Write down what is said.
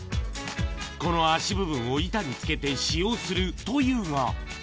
この脚部分を板につけて使用するというが。